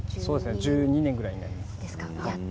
１２年ぐらいになります。